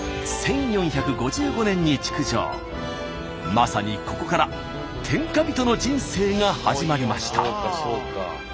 まさにここから天下人の人生が始まりました。